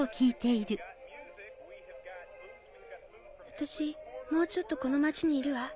私もうちょっとこの町にいるわ。